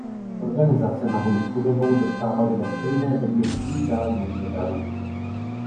Organizace na boj s chudobou dostávaly ve stejné době čím dál méně darů.